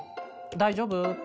大丈夫？